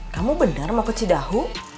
kamu benar mau keci dahu